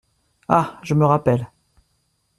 Ah ! je me rappelle !…